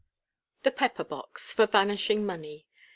The Pepper box, for vanishing money.